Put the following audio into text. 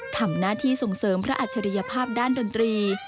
ทำหน้าที่ส่งเสริมพระอัจฉริยภาพด้านดนตรี